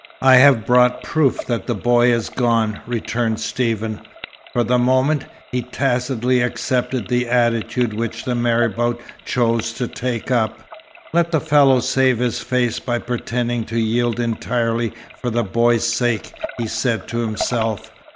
"I have brought proof that the boy is gone," returned Stephen. For the moment, he tacitly accepted the attitude which the marabout chose to take up. "Let the fellow save his face by pretending to yield entirely for the boy's sake," he said to himself.